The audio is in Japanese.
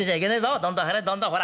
どんどん張れどんどんほら。